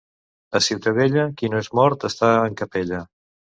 A Ciutadella, qui no és mort, està en capella.